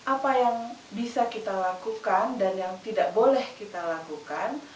apa yang bisa kita lakukan dan yang tidak boleh kita lakukan